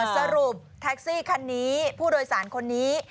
สรุปแท็กซี่คันนี้ผู้โดยสารคนนี้